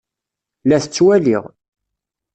La t-ttwaliɣ.